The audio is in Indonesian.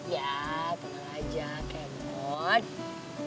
ya tenang aja kemon